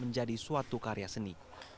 menjadi suatu karya seni